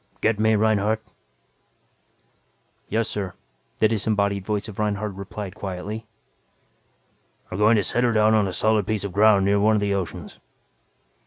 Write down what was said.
Get me, Reinhardt?" "Yes, sir," the disembodied voice of Reinhardt replied quietly. "We're going to set her down on a solid piece of ground near one of the oceans."